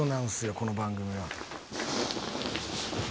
この番組は。